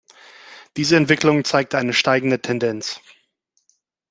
Diese Entwicklung zeigt eine steigende Tendenz.